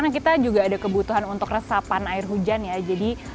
sebenarnya karena kita ada kebutuhan untuk resapan air hujan ya jadi